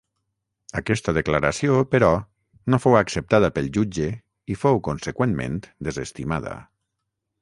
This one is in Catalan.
Aquesta declaració, però, no fou acceptada pel jutge i fou conseqüentment desestimada.